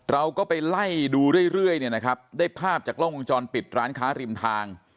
เราก็ไปไล่ดูเรื่อยเนี่ยนะครับได้ภาพจากกล้องวงจรปิดร้านค้าริมทาง